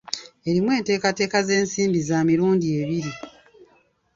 Erimu enteekateeka z'ensimbi za mirundi ebiri.